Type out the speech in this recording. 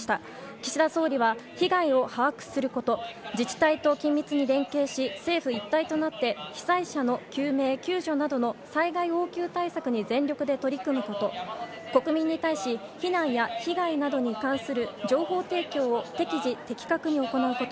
岸田総理は被害を把握すること自治体と緊密に連携し政府一体となって被災者の救命・救助などの災害応急対策に全力で取り組むこと国民に対し避難や被害などに関する情報提供を適時的確に行うこと。